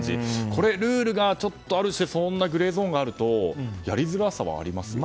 これ、ルールがちょっとある種グレーゾーンがあるとやりづらさはありますよね。